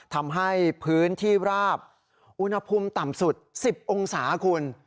ทำให้พื้นที่ราบอุณหภูมิต่ำสุด๑๐องศาคุณ